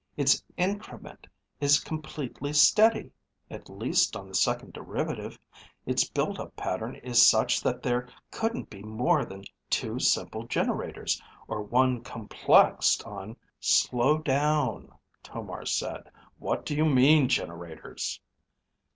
Its increment is completely steady. At least on the second derivative. Its build up pattern is such that there couldn't be more than two simple generators, or one complexed on ..." "Slow down," Tomar said. "What do you mean, generators?"